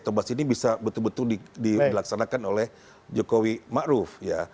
toba sini bisa betul betul dilaksanakan oleh jokowi maruf